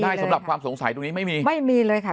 ใช่สำหรับความสงสัยตรงนี้ไม่มีไม่มีเลยค่ะ